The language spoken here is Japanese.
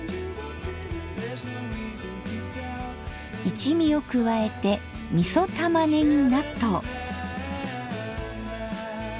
一味を加えてみそたまねぎ納豆。